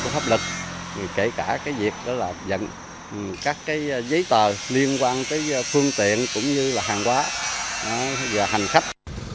pháp lực kể cả việc dẫn các giấy tờ liên quan tới phương tiện cũng như là hàng hóa và hành khách